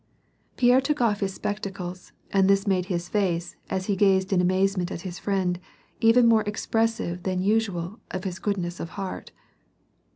Pierre took off his spectacles, and this made his face, as he gazed in amazement at his friend, even more expressive than usual of his goodness of heart.